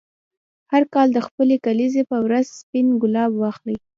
هر کال د خپلې کلیزې په ورځ سپین ګلاب واخلې.